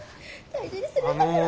大事にするんだから。